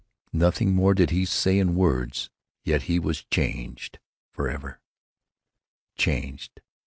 Nothing more did he say, in words, yet he was changed for ever. Changed.